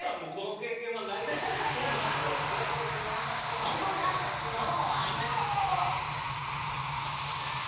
ゴンゾーさんどうもありがとう！